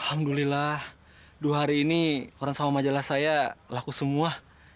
alhamdulillah dua hari ini orang sama majalah saya laku semua